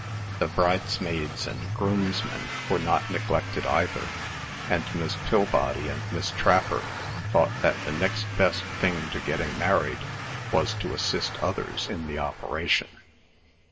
The bridesmaids and groomsmen were not neglected either; and both Miss Pillbody and Miss Trapper thought that the next best thing to getting married, was to assist others in the operation.